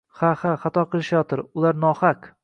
Ha-ha, xato qilishayotir, ular nohaq!